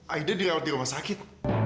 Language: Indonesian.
aida direwat di rumah sakit